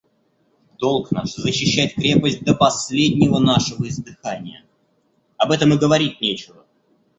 – Долг наш защищать крепость до последнего нашего издыхания; об этом и говорить нечего.